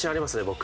僕。